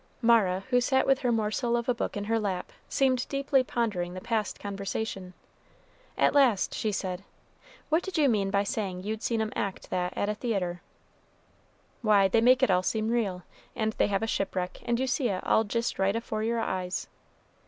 Mara, who sat with her morsel of a book in her lap, seemed deeply pondering the past conversation. At last she said, "What did you mean by saying you'd seen 'em act that at a theatre?" "Why, they make it all seem real; and they have a shipwreck, and you see it all jist right afore your eyes."